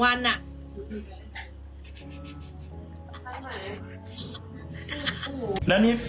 หนูก็ตามจากพี่เก่งไง